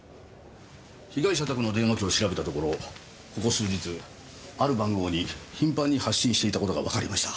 被害者宅の電話機を調べたところここ数日ある番号に頻繁に発信していた事がわかりました。